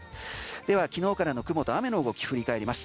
では昨日からの雲と雨の動き振り返ります。